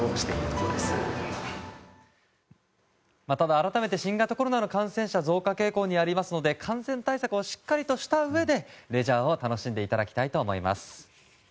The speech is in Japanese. また改めて新型コロナの感染者が増加傾向にありますので感染対策をしっかりとしたうえでレジャーを楽しんでもらいたいと思います。